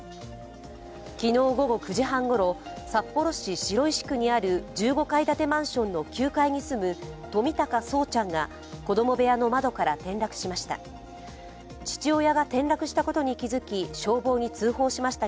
昨日午後９時半ごろ、札幌市白石区にある１５階建てマンションの９階に住む冨高聡ちゃんが子供部屋の窓から転落しました。